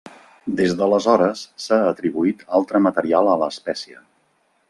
Des d'aleshores s'ha atribuït altre material a l'espècie.